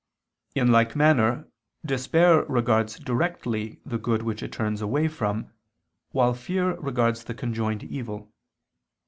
In like manner despair regards directly the good which it turns away from, while fear regards the conjoined evil.